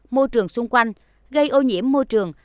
môi trường xung quanh gây ô nhiễm môi trường